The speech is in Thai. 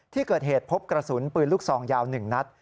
ที่เกิดเหตุพบกระสุนปืนลูกซองยาว๑นัด